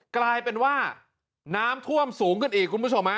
กลายเป็นว่าน้ำท่วมสูงขึ้นอีกคุณผู้ชมฮะ